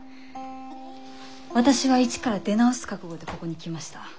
私は一から出直す覚悟でここに来ました。